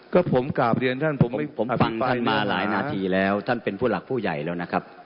ก็ผมกราบเรียนท่านผมฟังท่านมาหลายนาทีแล้วท่านเป็นผู้หลักผู้ใหญ่แล้วนะครับ